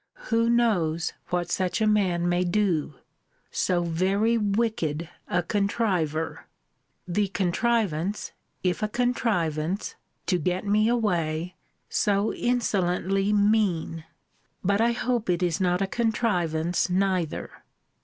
Who knows what such a man may do? So very wicked a contriver! The contrivance, if a contrivance, to get me away, so insolently mean! But I hope it is not a contrivance neither!